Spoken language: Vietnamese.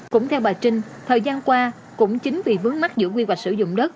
cũng theo bà trinh thời gian qua cũng chính vì vướng mắt giữa quy hoạch sử dụng đất